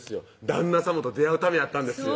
旦那さまと出会うためやったんですよ